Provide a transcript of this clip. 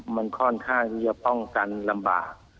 มันค่อนข้างที่จะป้องกันลำบาก